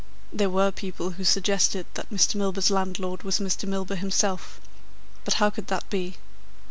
There were people who suggested that Mr. Milburgh's landlord was Mr. Milburgh himself. But how could that be?